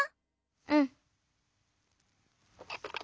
うん。